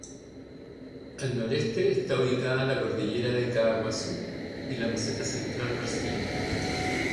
Al noreste está ubicada la cordillera de Caaguazú y la meseta Central brasileña.